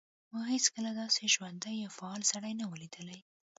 ما هیڅکله داسې ژوندی او فعال سړی نه و لیدلی